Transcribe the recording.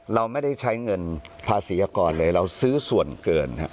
เราไม่ใช่เงินภาษีกรเราซื้อส่วนเกิน